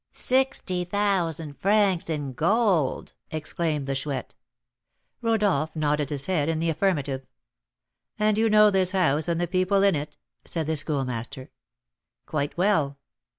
"Sixty thousand francs in gold!" exclaimed the Chouette. Rodolph nodded his head in the affirmative. "And you know this house, and the people in it?" said the Schoolmaster. "Quite well."